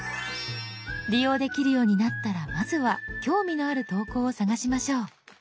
利用できるようになったらまずは興味のある投稿を探しましょう。